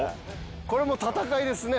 これもう戦いですね。